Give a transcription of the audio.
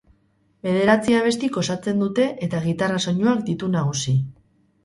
Bederatzi abestik osatzen dute eta gitarra soinuak ditu nagusi.